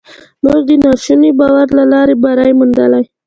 موږ د ناشوني باور له لارې بری موندلی.